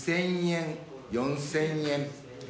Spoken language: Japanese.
４，０００円。